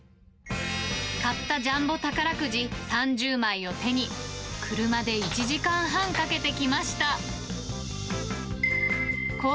買ったジャンボ宝くじ３０枚を手に、車で１時間半かけて来ました。